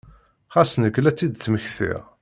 Xas nekk la tt-id-tmektiɣ.